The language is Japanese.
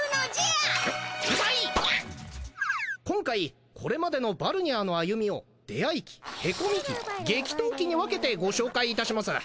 今回これまでのバルニャーの歩みを「出会い期」「凹み期」「激闘期」にバルバルバルルー分けてご紹介いたします！